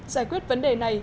giải quyết vấn đề này